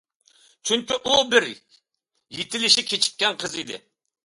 چۈنكى ئۇ بىر يېتىلىشى كېچىككەن قىز ئىدى.